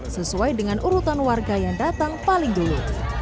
sesuai dengan urutan warga yang datang paling dulu